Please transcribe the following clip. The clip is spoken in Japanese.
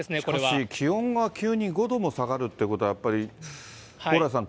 しかし、気温が急に５度も下がるってことは、やっぱり蓬莱さん